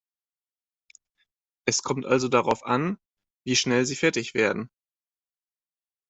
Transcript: Es kommt also auch darauf an, wie schnell Sie fertig werden.